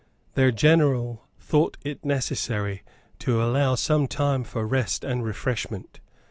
Their general thought it necessary to allow some time for rest and refreshment.